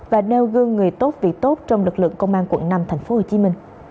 và nêu gương người tốt việc tốt trong lực lượng công an quận năm tp hcm